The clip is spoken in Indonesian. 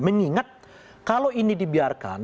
mengingat kalau ini dibiarkan